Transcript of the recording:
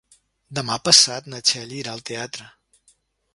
Demà passat na Txell irà al teatre.